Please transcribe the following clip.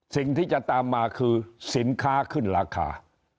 สิ่งที่จะตามมาคือสินค้าขึ้นราคา